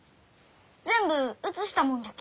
全部写したもんじゃき。